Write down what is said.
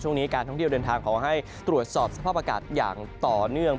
การท่องเที่ยวเดินทางขอให้ตรวจสอบสภาพอากาศอย่างต่อเนื่อง